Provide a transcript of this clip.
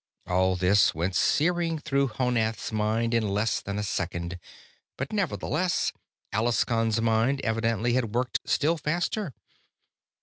All this went searing through Honath's mind in less than a second, but nevertheless Alaskon's mind evidently had worked still faster.